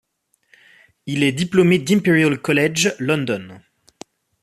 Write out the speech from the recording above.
Il est diplômé d'Imperial College London.